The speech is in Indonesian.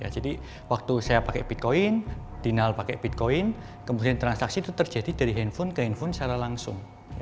jadi waktu saya pakai bitcoin dinal pakai bitcoin kemudian transaksi itu terjadi dari handphone ke handphone secara langsung